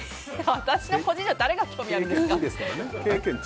私の個人情報誰が興味あるんですか？